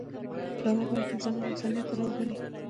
ډرامه باید انسانان انسانیت ته راوبولي